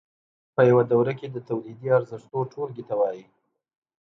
په یوه دوره کې د تولیدي ارزښتونو ټولګې ته وایي